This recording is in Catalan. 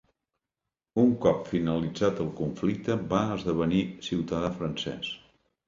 Un cop finalitzat el conflicte va esdevenir ciutadà francès.